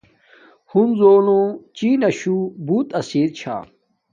ہنزونو چین نا شُو بوت اسیر چھا